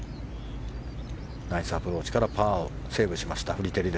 ナイスアプローチからパーをセーブした、フリテリ。